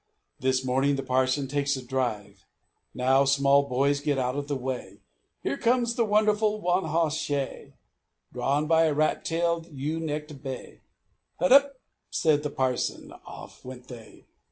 This morning the parson takes a drive. Now, small boys, get out of the way! Here comes the wonderful one hoss shay, Drawn by a rat tailed, ewe necked bay. "Huddup!" said the parson Off went they.